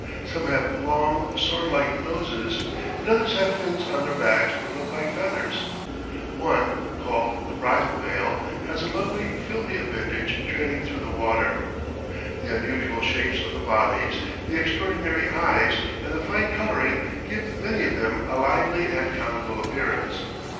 Some have long, swordlike noses, and others have fins on their backs that look like feathers. One called the "bridal veil" has a lovely filmy appendage trailing through the water. The unusual shapes of the bodies, the extraordinary eyes and the fine colouring give many of them a lively and comical appearance.